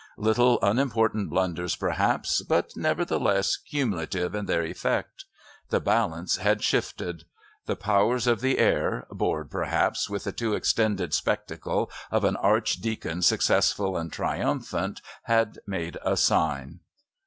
Little unimportant blunders perhaps, but nevertheless cumulative in their effect! The balance had shifted. The Powers of the Air, bored perhaps with the too extended spectacle of an Archdeacon successful and triumphant, had made a sign....